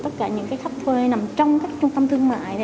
tất cả những khách thuê nằm trong các trung tâm thương mại